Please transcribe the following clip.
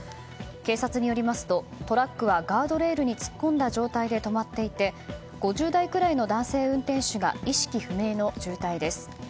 警察によりますとトラックはガードレールに突っ込んだ状態で止まっていて５０代くらいの男性運転手が意識不明の重体です。